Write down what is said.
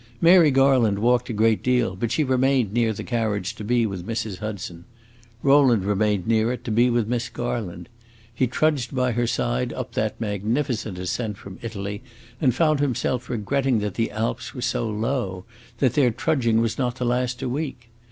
Mary Garland walked a great deal, but she remained near the carriage to be with Mrs. Hudson. Rowland remained near it to be with Miss Garland. He trudged by her side up that magnificent ascent from Italy, and found himself regretting that the Alps were so low, and that their trudging was not to last a week.